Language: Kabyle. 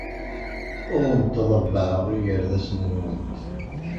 Ur awent-ḍebbɛeɣ igerdasen-nwent.